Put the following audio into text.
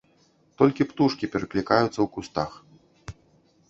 Толькі птушкі пераклікаюцца ў кустах.